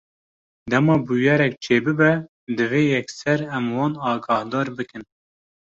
Dema bûyerek çêbibe, divê yekser em wan agahdar bikin.